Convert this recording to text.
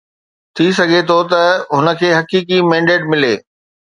ٿي سگهي ٿو هن کي حقيقي مينڊيٽ ملي.